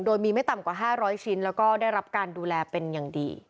โดยมีไม่ต่ำกว่า๕๐๐ชิ้นแล้วก็ได้รับการดูแลเป็นอย่างดี